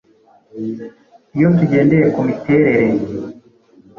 Iyo tugendeye ku miterere,